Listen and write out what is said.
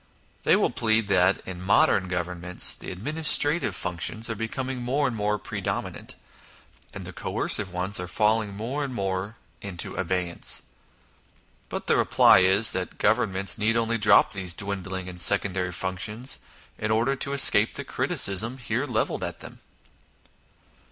They will plead that, in modern Governments, the administrative func tions are becoming more and more predominant, and the coercive ones are falling more and more into abeyance. But the reply is, that Govern ments need only drop these dwindling and secondary functions in order to escape the criti cism here levelled at them.